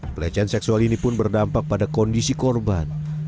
pelecehan seksual ini pun berdampak pada kondisi korban